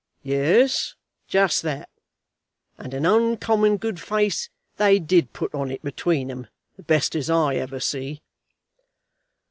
"Yes; just that. And an uncommon good face they did put on it between 'em; the best as I ever see."